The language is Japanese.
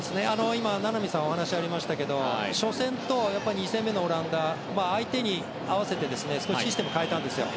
今、名波さんからお話がありましたけど初戦と２戦目のオランダ戦では相手に合わせて少しシステムを変えたんですよ。